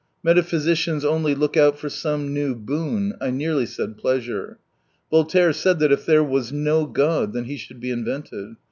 Metaphysicians only look out for some new boon — I nearly said pleasure. Voltaire said that if there was no God, then He should be invented.